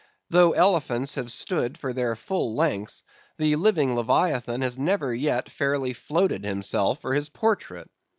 Though elephants have stood for their full lengths, the living Leviathan has never yet fairly floated himself for his portrait.